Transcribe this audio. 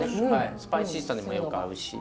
スパイシーさにもよく合うし。